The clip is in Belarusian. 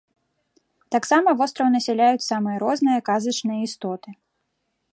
Таксама востраў насяляюць самыя розныя казачныя істоты.